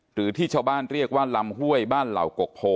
หรือที่ชาวบ้านเรียกว่าลำห้วยบ้านเหล่ากกโพ